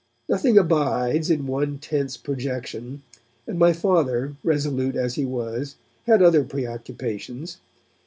Nothing abides in one tense projection, and my Father, resolute as he was, had other preoccupations.